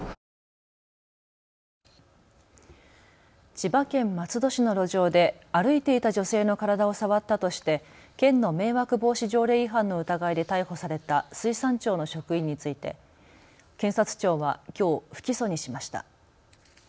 千葉県松戸市の路上で歩いていた女性の体を触ったとして県の迷惑防止条例違反の疑いで逮捕された水産庁の職員について検察庁はきょう不起訴にしました。